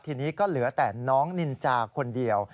ทีนี้ก็เหลือแต่น้องนินจาคนเดียว